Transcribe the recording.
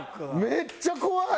めっちゃ怖い！